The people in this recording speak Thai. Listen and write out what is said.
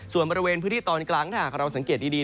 ส่วนบริเวณพื้นที่ตอนกลางถ้าหากเราสังเกตดี